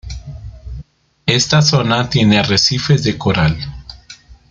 Esta zona tiene arrecifes de coral.